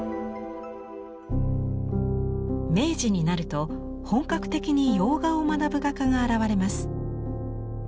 明治になると本格的に洋画を学ぶ画家が現れます。